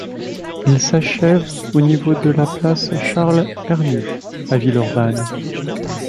Il s'achève au niveau de la place Charles Hernu, à Villeurbanne.